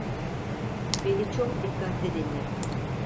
Beni çok dikkatli dinle.